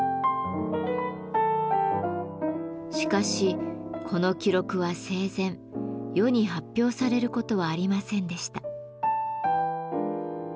しかしこの記録は生前世に発表されることはありませんでした。